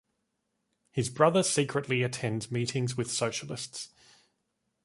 His brother secretly attends meetings with socialists.